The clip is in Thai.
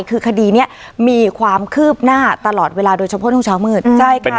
คือคดีเนี้ยมีความคืบหน้าตลอดเวลาโดยเฉพาะช่วงเช้ามืดใช่ค่ะ